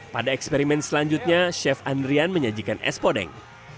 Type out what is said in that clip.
pada eksperimen selanjutnya chef andrian menyajikan es podeng